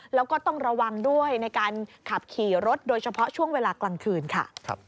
แล้วก็ต้องระวังด้วยในการขับขี่รถโดยเฉพาะช่วงเวลากลางคืนค่ะ